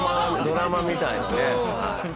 ドラマみたいなねはい。